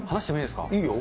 いいよ。